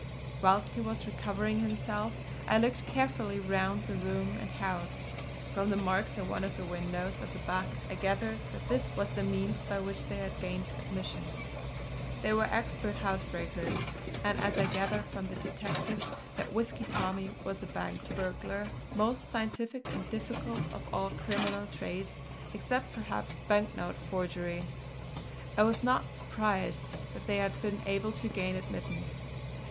Whilst he was recovering himself I looked carefully round the room and house. From the marks at one of the windows at the back I gathered that this was the means by which they had gained admission. They were expert housebreakers; and as I gathered from the detective that Whisky Tommy was a bank burglar most scientific and difficult of all criminal trades, except perhaps, banknote forgery I was not surprised that they had been able to gain admittance.